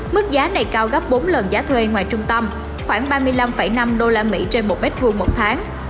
mức giá này cao gấp bốn lần giá thuê ngoài trung tâm khoảng ba mươi năm năm usd trên một m hai một tháng